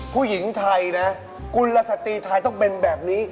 ผู้หญิงไทยนะกุลสตรีไทยต้องเป็นแบบนี้